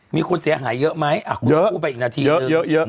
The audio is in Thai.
มีคนเสียหายเยอะไหมอ่ะคุณพูดไปอีกนาทีหนึ่งเยอะเยอะเยอะ